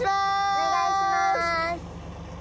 お願いします。